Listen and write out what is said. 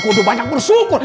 kamu kudu banyak bersyukur